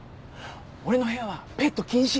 俺の部屋はペット禁止。